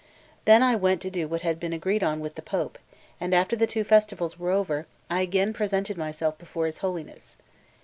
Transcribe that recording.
Then I went to do what had been agreed on with the Pope; and after the two festivals were over, I again presented myself before his Holiness.